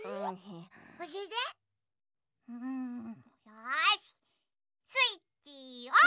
あれれ？よしスイッチオン！